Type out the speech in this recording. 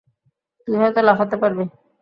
তুই হয়তো লাফাতে পারবি।